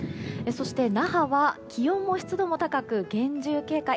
そして、那覇は気温も湿度も高く厳重警戒。